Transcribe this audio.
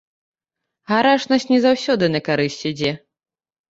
Гарачнасць не заўсёды на карысць ідзе.